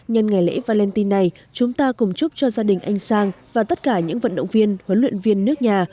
nhân ngày lễ valentin này chúng ta cùng chúc cho gia đình anh sang và tất cả những vận động viên huấn luyện viên nước nhà